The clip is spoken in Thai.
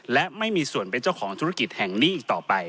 และไม่มีส่วนเป็นเจ้าของธุรกิจแห่งนี้อีกต่อไป